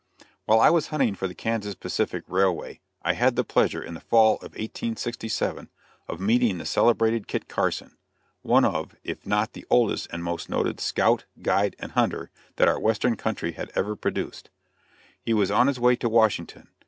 While I was hunting for the Kansas Pacific railway, I had the pleasure, in the fall of 1867, of meeting the celebrated Kit Carson, one of, if not the oldest and most noted scout, guide, and hunter that our western country has ever produced. He was on his way to Washington.